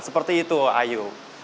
seperti itu ayo